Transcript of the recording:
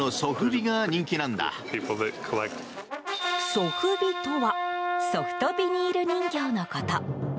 ソフビとはソフトビニール人形のこと。